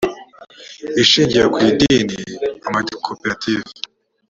ishingiye ku idini amakoperative